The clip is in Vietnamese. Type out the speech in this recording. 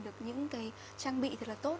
được những cái trang bị thật là tốt